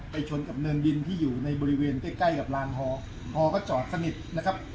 ชนกับเนินดินที่อยู่ในบริเวณใกล้ใกล้กับลานฮอฮอก็จอดสนิทนะครับ